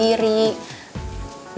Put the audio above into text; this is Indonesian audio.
biar aku juga nanti